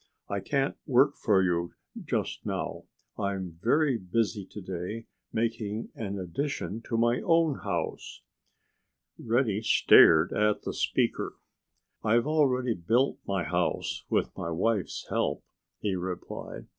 I can't work for you just now. I'm very busy to day, making an addition to my own house." Reddy stared at the speaker. "I've already built my house—with my wife's help," he replied.